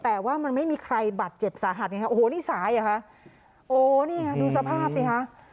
แต่ว่ามันไม่มีใครบาดเจ็บสาหัสไงคะโอ้โหนี่สายเหรอคะโอ้นี่ไงดูสภาพสิคะ